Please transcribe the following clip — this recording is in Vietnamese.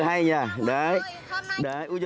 ờ hay nhỉ đấy